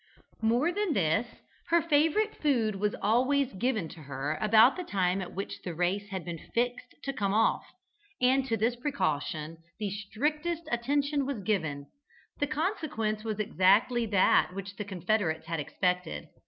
More than this, her favourite food was always given to her about the time at which the race had been fixed to come off, and to this precaution the strictest attention was given. The consequence was exactly that which the confederates had expected.